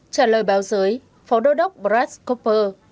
trả lời báo giới phó đối đốc brett cooper